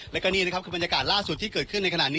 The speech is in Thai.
แล้วก็นี่นะครับคือบรรยากาศล่าสุดที่เกิดขึ้นในขณะนี้